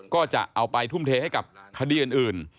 ก็จะเอาไปทุ่มเทให้กับคดีอื่น